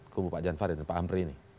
kubu pak jan farid dan pak amri ini